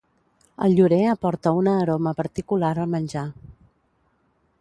El llorer aporta una aroma particular al menjar